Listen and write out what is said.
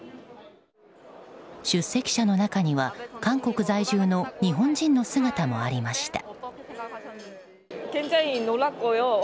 出席者の中には韓国在住の日本人の姿もありました。